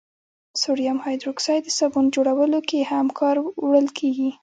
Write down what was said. سودیم هایدروکساید د صابون جوړولو کې په کار وړل کیږي.